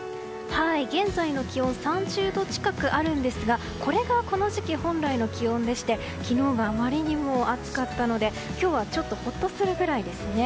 現在の気温３０度近くあるんですがこれがこの時期本来の気温でして昨日があまりにも暑かったので今日はちょっとほっとするくらいですね。